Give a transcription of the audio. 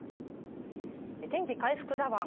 天気回復だワン。